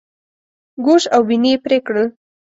ګوش او بیني یې پرې کړل.